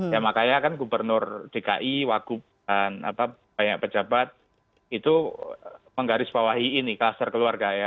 ya makanya kan gubernur dki wagub dan banyak pejabat itu menggarisbawahi ini kluster keluarga ya